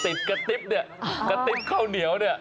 กระติ๊บเนี่ยกระติ๊บข้าวเหนียวเนี่ย